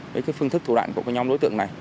cái phương thức thủ đoạn của cái nhóm đối tượng này